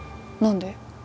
何で？